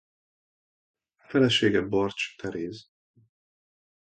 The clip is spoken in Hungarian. Felesége Barcs Teréz.